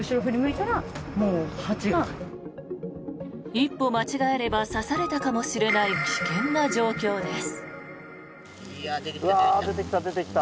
一歩間違えれば刺されたかもしれない危険な状況です。